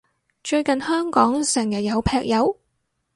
最近香港成日有劈友？